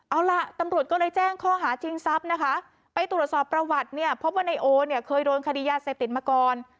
เอาล่ะตำรวจก็เลยแจ้งข้อหาชิงทรัพย์นะคะไปตรวจสอบประวัติเนี่ยพบว่านายโอเนี่ยเคยโดนคดียาเสพติดมาก่อน